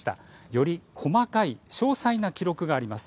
より細かい詳細な記録があります。